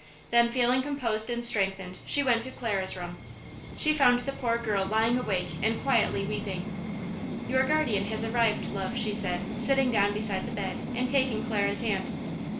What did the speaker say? Then, feeling composed and strengthened, she went to Clara's room. She found the poor girl lying awake and quietly weeping. "Your guardian has arrived, love," she said, sitting down beside the bed and taking Clara's hand.